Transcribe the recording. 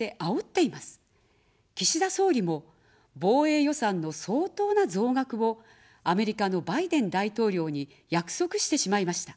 岸田総理も防衛予算の相当な増額をアメリカのバイデン大統領に約束してしまいました。